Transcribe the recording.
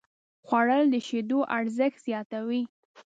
خوړل د شیدو ارزښت زیاتوي